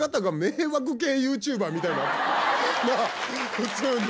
普通に。